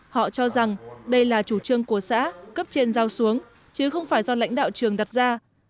họ cho rằng đây là chủ trương của xã cấp trên giao xuống chứ không phải do lãnh đạo trường đặt ra